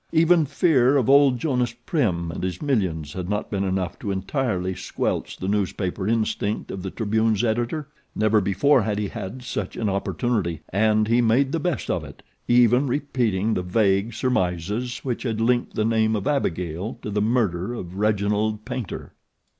Even fear of old Jonas Prim and his millions had not been enough to entirely squelch the newspaper instinct of the Tribune's editor. Never before had he had such an opportunity and he made the best of it, even repeating the vague surmises which had linked the name of Abigail to the murder of Reginald Paynter.